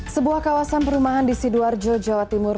sebuah kawasan perumahan di sidoarjo jawa timur